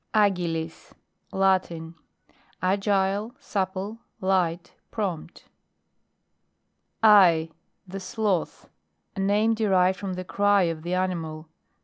AGILIS. Latin. Agile, supply light, prompt. Ar. The sloth a mine derived from the cry of the animal.